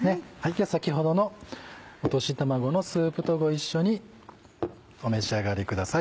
では先ほどの落とし卵のスープとご一緒にお召し上がりください。